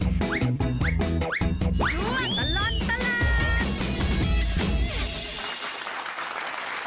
ชั่วตะลอดตะหลาน